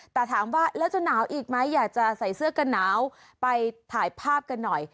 แต่ถามว่าแล้วจะหนาวอีกไหมอยากจะใส่เสื้อกันหนาวไปถ่ายภาพกันหน่อย